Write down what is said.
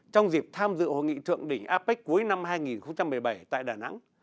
trong dịp tham dự hội nghị thượng đỉnh apec cuối năm hai nghìn một mươi bảy tại đà nẵng